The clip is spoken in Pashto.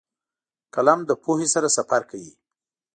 قلم له پوهې سره سفر کوي